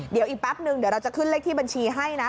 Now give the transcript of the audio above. เดี๋ยวอีกแป๊บนึงเดี๋ยวเราจะขึ้นเลขที่บัญชีให้นะ